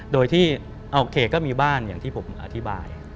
โดยที่โอเคก็มีบ้านอย่างที่ผมอธิบาย